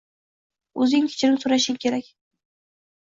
Oʻzing kechirim soʻrashing kerak.